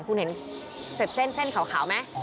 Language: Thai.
คุณเห็นเส้นเขาไหม